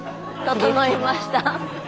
整いました。